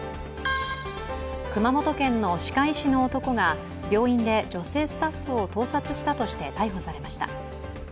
熊本県の歯科医師の男が病院で女性スタッフを盗撮したとして逮捕されました。